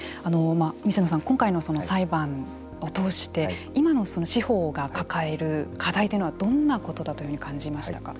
水野さん、今回の裁判を通して今の司法が抱える課題というのはどんなことだというふうに感じましたか。